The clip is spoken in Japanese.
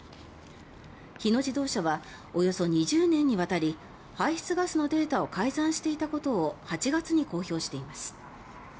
日野自動車はおよそ２０年にわたり排出ガスのデータを改ざんしていたことを８月に公表しています。